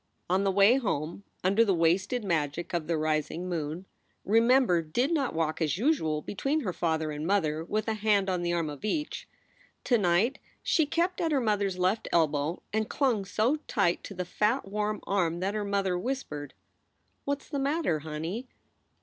On the way home under the wasted magic of the rising moon, Remember did not walk as usual between her father and mother with a hand on the arm of each. To night she SOULS FOR SALE n kept at her mother s left elbow and clung so tight to the fat, warm arm that her mother whispered: "What s the matter, honey?"